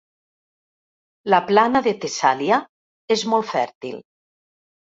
La plana de Tessàlia és molt fèrtil.